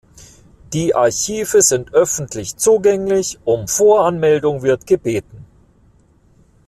Die Archive sind öffentlich zugänglich, um Voranmeldung wird gebeten.